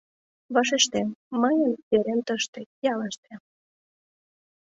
Вашештем: мыйын верем тыште, ялыште.